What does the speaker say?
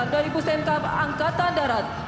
dari pusimkap angkatan darat